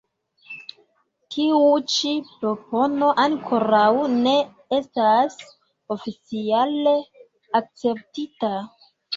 Tiu ĉi propono ankoraŭ ne estas oficiale akceptita.